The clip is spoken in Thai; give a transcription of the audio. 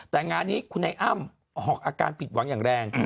แต่งานนี้คุณไอ้อ้ำออกอาการผิดหวังอย่างแรง